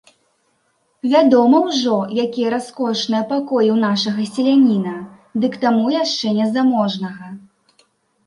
Вядома ўжо, якія раскошныя пакоі ў нашага селяніна, ды к таму яшчэ незаможнага.